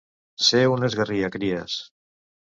Ser un esgarriacries.